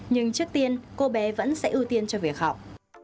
nhưng trước tiên cô bé vẫn sẽ ưu tiên cho việc học